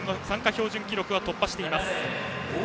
標準記録は突破しています。